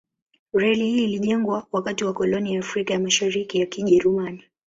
Reli hii ilijengwa wakati wa koloni ya Afrika ya Mashariki ya Kijerumani.